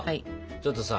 ちょっとさ